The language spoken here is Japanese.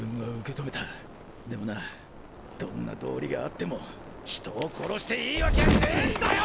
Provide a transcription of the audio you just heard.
でもなどんな道理があっても人を殺していいわきゃねぇんだよ！！